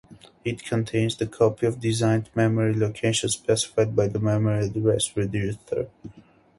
It contains the copy of designated memory locations specified by the memory address register.